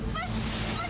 mas sinta mas